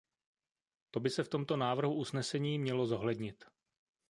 To by se v tomto návrhu usnesení mělo zohlednit.